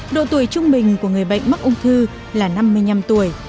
độ tuổi trung bình của người bệnh mắc ung thư là năm mươi năm tuổi